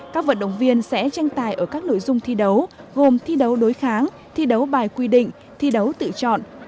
các vận động viên sẽ tranh tài ở các nội dung thi đấu gồm thi đấu đối kháng thi đấu bài quy định thi đấu tự chọn